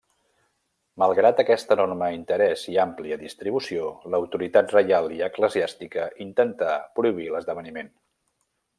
Malgrat aquest enorme interès i àmplia distribució, l'autoritat reial i eclesiàstica intentà prohibir l'esdeveniment.